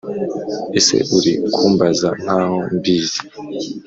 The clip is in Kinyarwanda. Ese uri kumbaza nkaho mbizi